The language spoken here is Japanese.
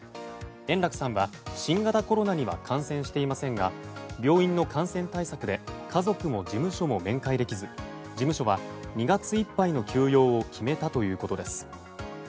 円楽さんは新型コロナには感染していませんが病院の感染対策で家族も事務所も面会できず、事務所は２月いっぱいの休養を決めたということです。